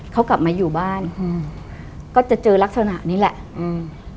เขากลับมาอยู่บ้านอืมก็จะเจอลักษณะนี้แหละอืม